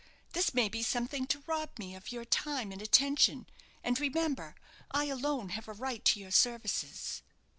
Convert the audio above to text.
This may be something to rob me of your time and attention; and remember I alone have a right to your services."